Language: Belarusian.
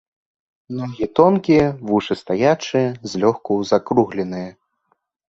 Ногі тонкія, вушы стаячыя, злёгку закругленыя.